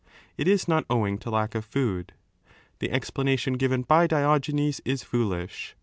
' It is not owing to lack of food. The explanation given 6 by Dic^enes is foolish.